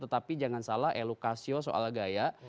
tetapi jangan salah elokasio soal gaya